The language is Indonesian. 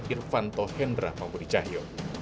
irfanto hendra pampuri cahyo